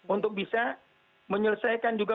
untuk bisa menyelesaikan juga